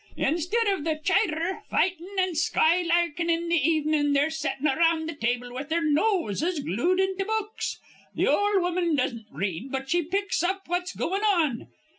Instead iv th' chidher fightin' an' skylarkin' in th' evenin', they're settin' around th' table with their noses glued into books. Th' ol' woman doesn't read, but she picks up what's goin' on.